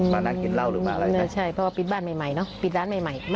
แม้ว่าปิดบ้านใหม่เนอะปิดร้านใหม่